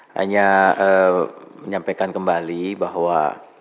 hanya menyampaikan kembali bahwa